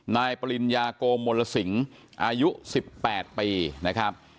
ปริญญาโกมลสิงอายุ๑๘ปีนะครับ